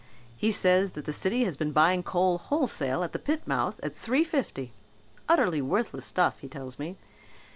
He says that the city has been buying coal wholesale at the pit mouth at three fifty utterly worthless stuff, he tells me.